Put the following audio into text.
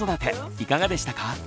いかがでしたか？